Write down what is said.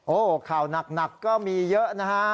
โอ้โหข่าวหนักก็มีเยอะนะฮะ